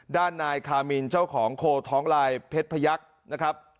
ด้านนายคามินเจ้าของโคท้องลายเพชรพยักษ์นะครับ